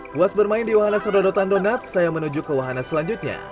puas bermain di wahana sedonotan donat saya menuju ke wahana selanjutnya